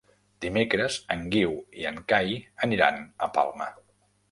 Dimecres en Guiu i en Cai aniran a Palma.